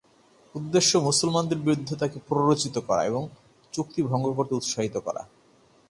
উদ্দেশ্য, মুসলমানদের বিরুদ্ধে তাকে প্ররোচিত করা এবং চুক্তি ভঙ্গ করতে উৎসাহিত করা।